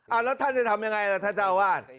เอาละท่านจะทำยังไงล่ะท่าเจ้าบ้าง